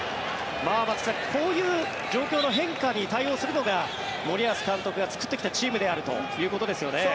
松木さん、こういう状況の変化に対応するのが森保監督が作ってきたチームであるということですね。